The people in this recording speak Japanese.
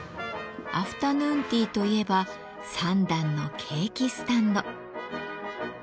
アフタヌーンティーといえば３段のケーキスタンド。